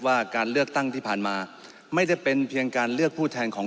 ว่าการเลือกตั้งที่ผ่านมาไม่ได้เป็นเพียงการเลือกผู้แทนของ